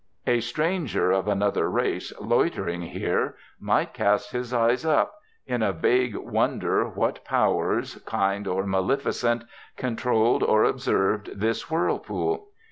A stranger of another race, loitering here, might cast his eyes up, in a vague wonder what powers, kind or maleficent, controlled or observed this whirlpool.